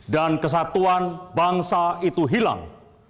dan kesatuan bangsa itu hilang